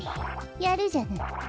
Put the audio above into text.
やるじゃない。